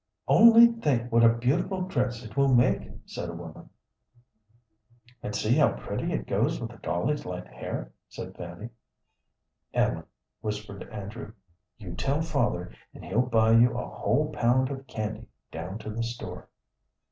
"Only think what a beautiful dress it will make!" said a woman. "And see how pretty it goes with the dolly's light hair," said Fanny. "Ellen," whispered Andrew, "you tell father, and he'll buy you a whole pound of candy down to the store."